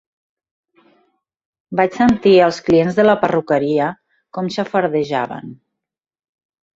Vaig sentir els clients de la perruqueria com xafardejaven.